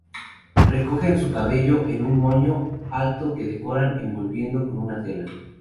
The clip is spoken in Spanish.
Recogen su cabello en un moño alto que decoran envolviendo con una tela.